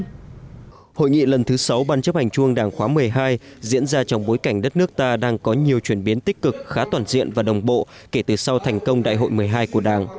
hội nghị lần thứ sáu ban chấp hành trung đảng khóa một mươi hai diễn ra trong bối cảnh đất nước ta đang có nhiều chuyển biến tích cực khá toàn diện và đồng bộ kể từ sau thành công đại hội một mươi hai của đảng